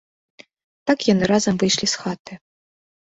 Так яны разам выйшлі з хаты.